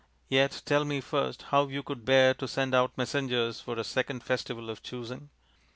Yet tell me first how you could bear to send out messengers for a second festival of choosing?"